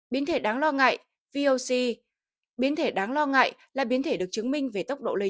biến thể đáng lo ngại voc biến thể đáng lo ngại là biến thể được chứng minh về tốc độ lây nhiễm